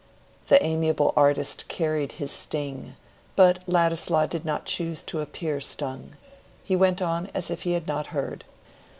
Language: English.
The amiable artist carried his sting, but Ladislaw did not choose to appear stung. He went on as if he had not heard.